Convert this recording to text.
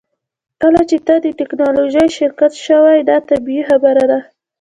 کله چې ته د ټیکنالوژۍ شرکت شوې دا طبیعي خبره ده